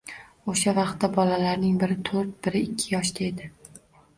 Oʻsha vaqtda bolalarning biri toʻrt, biri ikki yoshda edi